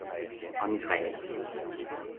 En Israël.